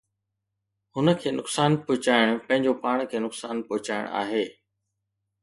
هن کي نقصان پهچائڻ پنهنجو پاڻ کي نقصان پهچائڻ آهي.